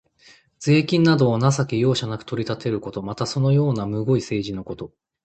税金などを情け容赦なく取り立てること。また、そのようなむごい政治のこと。